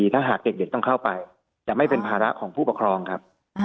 ถ้าหากเด็กต้องเข้าไปจะไม่เป็นภาระของผู้ปกครองครับ